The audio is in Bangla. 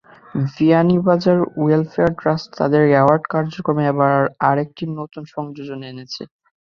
বিয়ানীবাজার ওয়েলফেয়ার ট্রাস্ট তাদের অ্যাওয়ার্ড কার্যক্রমে এবার আরেকটি নতুন সংযোজন এনেছে।